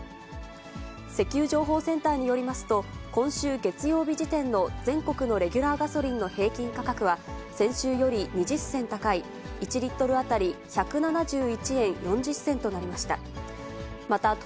石油情報センターによりますと、今週月曜日時点の全国のレギュラーガソリンの平均価格は、先週より２０銭高い、１リットル当たり１７１円４０銭となりました。